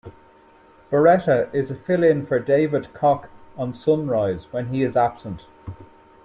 Beretta, is a fill in for David Koch on "Sunrise" when he is absent.